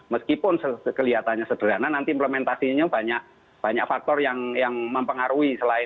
meskipun kelihatannya sederhana nanti implementasinya banyak faktor yang mempengaruhi selain